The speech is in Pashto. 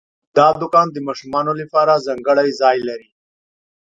دا دوکان د ماشومانو لپاره ځانګړی ځای لري.